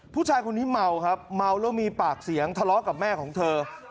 ผู้ชายคนนี้เมาครับเมาแล้วมีปากเสียงทะเลาะกับแม่ของเธอ